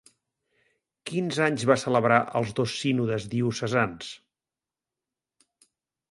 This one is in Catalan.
Quins anys va celebrar els dos sínodes diocesans?